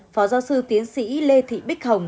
phó giáo sư tiến sĩ lê thị bích hồng